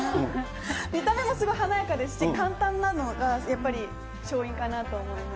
見た目もすごい華やかですし、簡単なのがやっぱり勝因かなと思います。